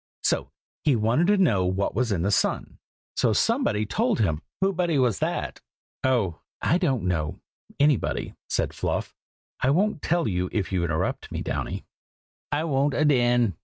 So he wanted to know what was in the sun. So somebody told him " "Whobody was it?" inquired Downy. "Oh! I don't know! anybody!" said Fluff. "I wont tell it if you interrupt me, Downy." "I wont adain!"